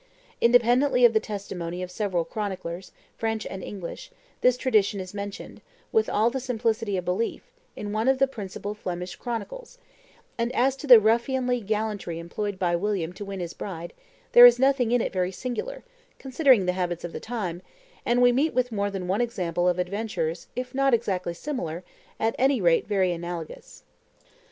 Independently of the testimony of several chroniclers, French and English, this tradition is mentioned, with all the simplicity of belief, in one of the principal Flemish chronicles; and as to the ruffianly gallantry employed by William to win his bride, there is nothing in it very singular, considering the habits of the time, and we meet with more than one example of adventures, if not exactly similar, at any rate very analogous.